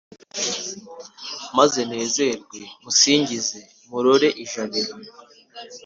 maze nezerwe musingize murora i jabiro